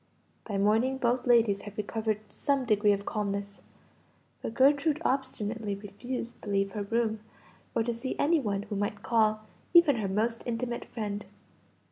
By morning both ladies had recovered some degree of calmness, but Gertrude obstinately refused to leave her room, or to see any one who might call, even her most intimate friend.